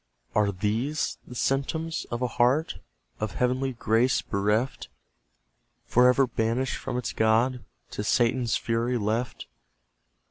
Are THESE the symptoms of a heart Of heavenly grace bereft For ever banished from its God, To Satan's fury left?